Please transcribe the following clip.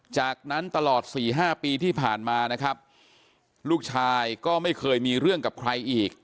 จากนั้นตลอด๔๕ปีที่ผ่านมานะครับลูกชายก็ไม่เคยมีเรื่องกับใครอีก